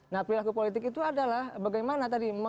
nah perilaku politik itu adalah bagaimana tadi